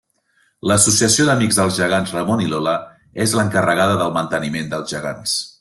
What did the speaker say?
L'Associació d'Amics dels Gegants Ramon i Lola és l'encarregada del manteniment dels gegants.